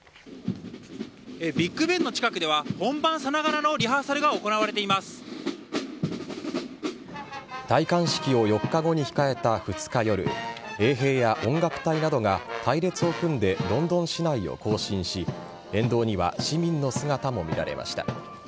ビッグベンの近くでは本番さながらのリハーサルが戴冠式を４日後に控えた２日夜衛兵や音楽隊などが隊列を組んでロンドン市内を行進し沿道には市民の姿も見られました。